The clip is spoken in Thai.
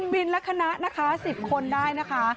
บินและคณะ๑๐คนด้ายนะคะ